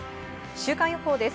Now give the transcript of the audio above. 週間予報です。